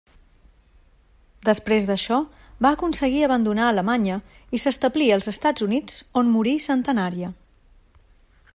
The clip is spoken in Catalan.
Després d'això, va aconseguir abandonar Alemanya i s'establí als Estats Units, on morí centenària.